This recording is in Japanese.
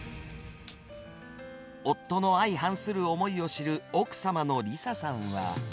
夫の相反する思いを知る奥様の里紗さんは。